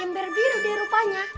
karna bember biru deh rupanya